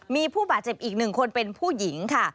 มีผู้บาดเจ็บอีกหนึ่งคนเป็นผู้หญิงค่ะ